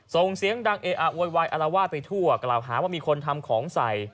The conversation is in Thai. ส่งเสียงดังเออะโวยวายอารวาสไปทั่วกล่าวหาว่ามีคนทำของใส่